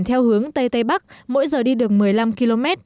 theo hướng tây tây bắc mỗi giờ đi được một mươi năm km